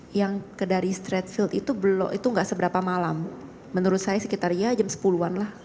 itu yang ke dari stretfield itu gak seberapa malam menurut saya sekitar iya jam sepuluh an lah